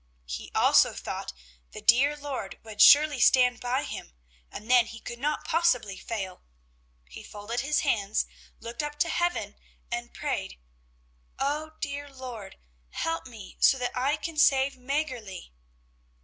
He also thought the dear Lord would surely stand by him, and then he could not possibly fail. He folded his hands, looked up to heaven and prayed: "Oh, dear Lord, help me, so that I can save Mäggerli!"